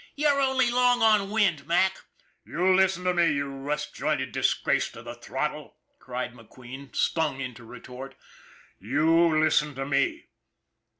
" You're only long on wind, Mac." " You listen to me, you rust jointed disgrace to the throttle !" cried McQueen, stung into retort. " You listen to me